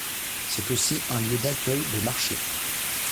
C'est aussi un lieu d'accueil de marchés.